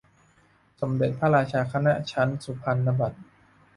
สมเด็จพระราชาคณะ ชั้นสุพรรณบัตร